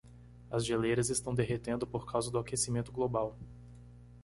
As geleiras estão derretendo por causa do aquecimento global.